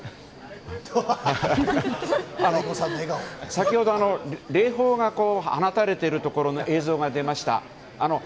先ほど、礼砲が放たれている映像が出ました。